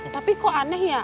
tapi kok aneh ya